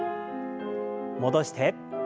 戻して。